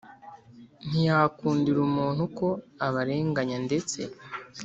Ntiyakundira umuntu ko abarenganya Ndetse